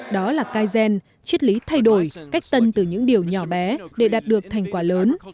đó là kaizen triết lý thay đổi cách tân từ những điều nhỏ bé để đạt được thành quả lớn